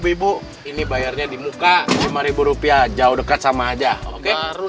ini bayarnya di muka rp lima jauh dekat sama aja oke